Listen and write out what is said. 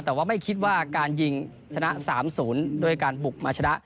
แต่ว่าไม่คิดว่าการยิงชนะ๓๐ด้วยการบุกมาชนะ